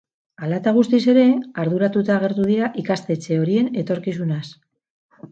Hala eta guztiz ere, arduratuta agertu dira ikastetxe horien etorkizunaz.